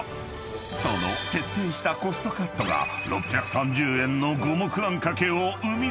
［その徹底したコストカットが６３０円の五目あんかけを生み出していたのだ］